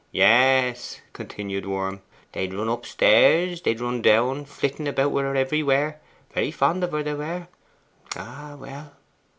'Yes,' continued Worm, 'they'd run upstairs, they'd run down; flitting about with her everywhere. Very fond of her, they were. Ah, well!